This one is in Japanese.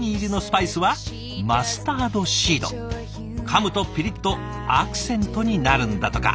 かむとピリッとアクセントになるんだとか。